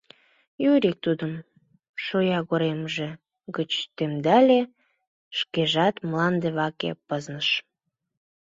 Юрик тудым шоягоремже гыч темдале, шкежат мланде ваке пызныш.